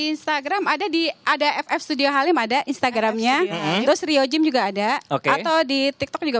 instagram ada di ada ff studio halim ada instagramnya terus rio gym juga ada atau di tiktok juga